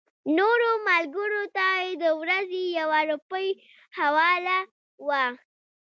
نورو ملګرو ته یې د ورځې یوه روپۍ حواله وه.